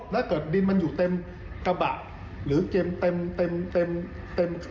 ถ้าเกิดดินมันอยู่เต็มกระบะหรือเต็มเต็มเต็มเต็มเต็ม